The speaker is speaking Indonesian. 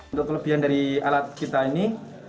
untuk kelebihan dari alat kita ini